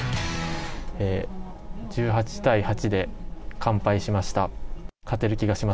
１８対８で完敗しました。